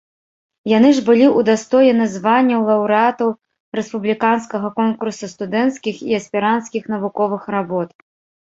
Яны ж былі ўдастоены званняў лаўрэатаў рэспубліканскага конкурса студэнцкіх і аспіранцкіх навуковых работ.